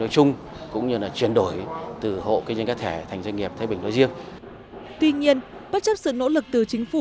cũng như các hộ kinh doanh cá thể